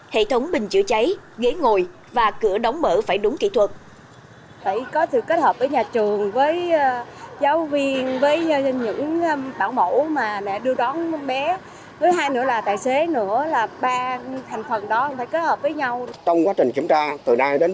hệ thống bình chữa cháy ghế ngồi và cửa đóng mở phải đúng kỹ thuật